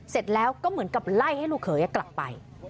เสร็จแล้วก็เหมือนกับไล่ให้ลูกเขยกลับไป